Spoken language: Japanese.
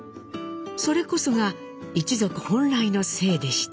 それこそが一族本来の姓でした。